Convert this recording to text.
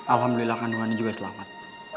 alhamdulillah kandungannya juga selamat